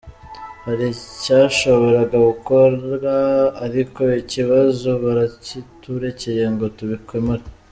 Hari icyashoboraga gukorwa ariko ikibazo barakiturekeye ngo tubikemure.